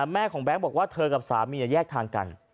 แม่ของแบงค์บอกว่าเธอกับสามีแยกทางกัน